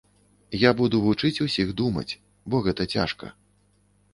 Я буду вучыць усіх думаць, бо гэта цяжка.